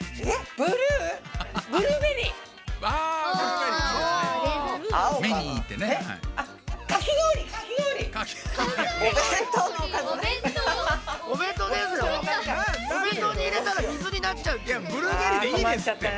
ブルーベリーでいいですって。